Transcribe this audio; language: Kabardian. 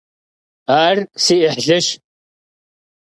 Ar si 'ıhlış.